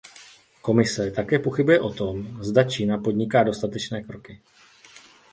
Komise také pochybuje o tom, zda Čína podniká dostatečné kroky.